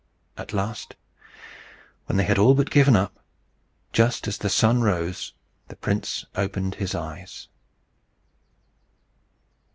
At last, when they had all but given it up, just as the sun rose, the prince opened his eyes.